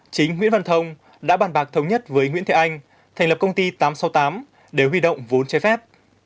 chính nguyễn văn thông đã bàn bạc thống nhất với nguyễn thế anh thành lập công ty tám trăm sáu mươi tám để huy động vốn trái phép